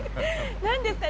何ですかね？